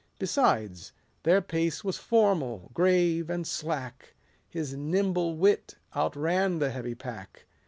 Besides, their pace was formal, grave, and slack ; His nimble wit outran the heavy pack.